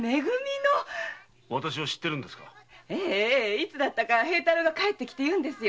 いつだったか平太郎が帰って来て言うんですよ。